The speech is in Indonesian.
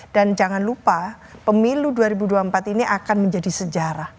dan jangan lupa pemilu dua ribu dua puluh empat ini akan menjadi sejarah